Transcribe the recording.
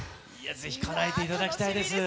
ぜひかなえていただきたいです。